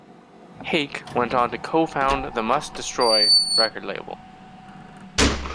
Hake went on to co-found the Must Destroy record label.